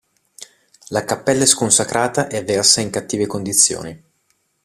La cappella è sconsacrata e versa in cattive condizioni.